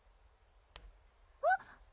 あっ！